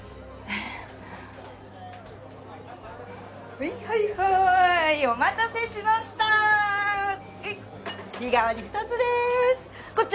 はいはいはいお待たせしましたはい日替わり二つでーすこっち